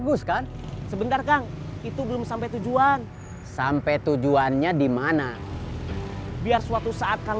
bagus kan sebentar kang itu belum sampai tujuan sampai tujuannya dimana biar suatu saat kang